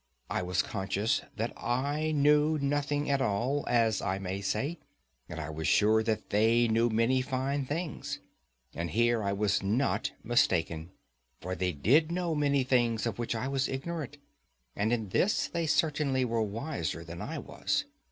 I was conscious that I knew nothing at all, as I may say, and I was sure that they knew many fine things; and here I was not mistaken, for they did know many things of which I was ignorant, and in this they certainly were wiser than I was.